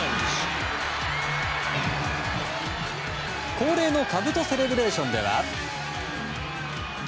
恒例のかぶとセレブレーションでは。